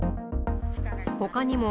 ほかにも、